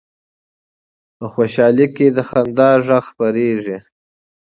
په خوشحالۍ کې د خندا غږ خپرېږي